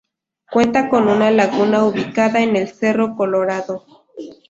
Cuenta con una laguna ubicada en el cerro Colorado.